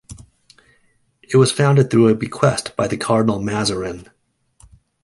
It was founded through a bequest by the Cardinal Mazarin.